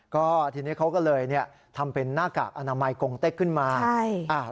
ก็ทีนี้เขาก็เลยเนี่ยทำเป็นหน้ากากอนามัยกงเต็กขึ้นมาใช่อ่า